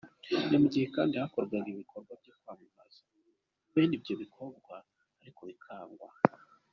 Ni mu ghe kandi hakorwa ibikorwa byo kwamagana bene ibyo bikorwa ariko bikanga.